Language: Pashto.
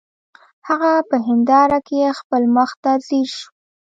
هغه په هنداره کې خپل مخ ته ځیر شو